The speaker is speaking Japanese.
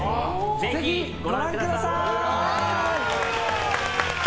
ぜひご覧ください！